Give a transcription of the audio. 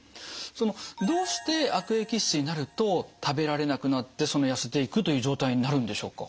そのどうして悪液質になると食べられなくなってそのやせていくという状態になるんでしょうか？